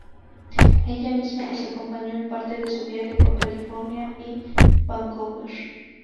Ella misma los acompañó en parte de su viaje por California y Vancouver.